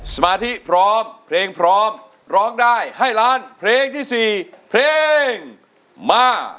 สมาธิพร้อมเพลงพร้อมร้องได้ให้ล้านเพลงที่๔เพลงมา